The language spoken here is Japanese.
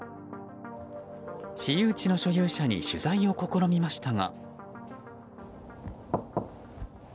私有地の所有者に取材を試みましたが。